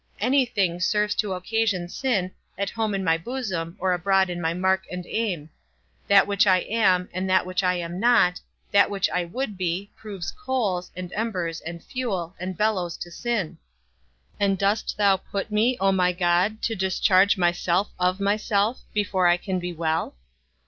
Any thing serves to occasion sin, at home in my bosom, or abroad in my mark and aim; that which I am, and that which I am not, that which I would be, proves coals, and embers, and fuel, and bellows to sin; and dost thou put me, O my God, to discharge myself of myself, before I can be well?